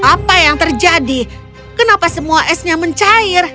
apa yang terjadi kenapa semua esnya mencair